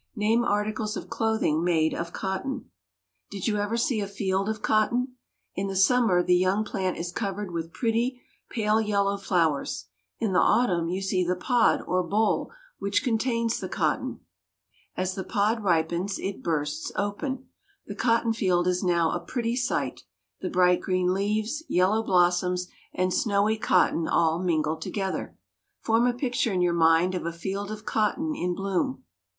Name articles of clothing made of cotton. Did you ever see a field of cotton? In the summer the young plant is covered with pretty, pale yellow flowers. In the autumn you see the pod or boll which contains the cotton. [Illustration: "YOU SEE THE POD OR BOLL."] As the pod ripens, it bursts open. The cotton field is now a pretty sight the bright green leaves, yellow blossoms, and snowy cotton all mingled together. Form a picture in your mind of a field of cotton in bloom.